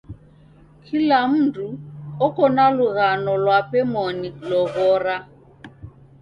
Kila mndu oko na lughano lwape moni loghora.